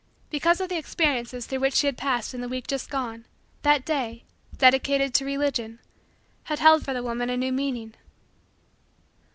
Because of the experience through which she had passed in the week just gone, that day, dedicated to Religion, had held for the woman a new meaning.